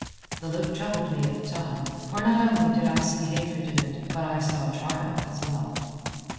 The look troubled me at the time, for not only did I see hatred in it, but I saw triumph as well.